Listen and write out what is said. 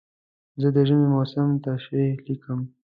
زه د ژمي موسم تشریح لیکم.